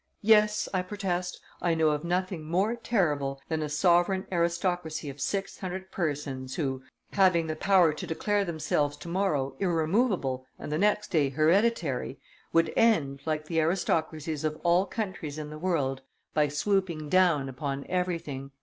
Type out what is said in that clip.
Yes, I protest, I know of nothing more terrible than a sovereign aristocracy of six hundred persons, who, having the power to declare themselves to morrow irremovable and the next day hereditary, would end, like the aristocracies of all countries in the world, by swooping down upon everything."